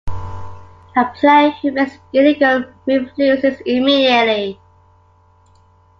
A player who makes an illegal move loses immediately.